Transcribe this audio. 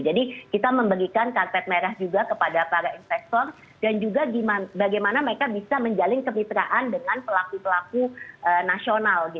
jadi kita memberikan karpet merah juga kepada para investor dan juga bagaimana mereka bisa menjalin kemitraan dengan pelaku pelaku nasional